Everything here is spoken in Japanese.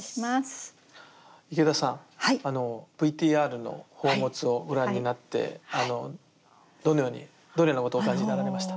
池田さんＶＴＲの宝物をご覧になってどのようにどのようなことお感じになられました？